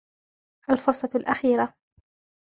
الفرصة الأخيرة